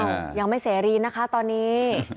ยังไม่เสรีนะคะตอนนี้